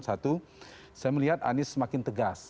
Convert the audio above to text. satu saya melihat anies semakin tegas